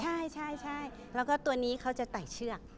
ใช่ใช่ใช่แล้วก็ตัวนี้เค้าจะไต่เชือก